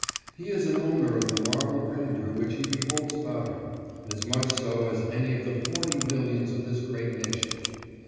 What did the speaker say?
He is an owner of the marble grandeur which he beholds about him, — as much so as any of the forty millions of this great nation.